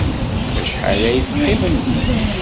Acḥal ay teqqimem din?